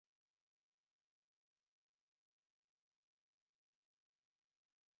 Por otra parte, otros críticos fueron menos positivos.